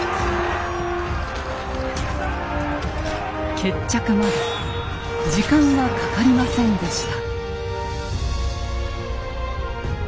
決着まで時間はかかりませんでした。